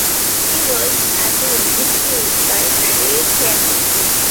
He worked at the University Library, Cambridge.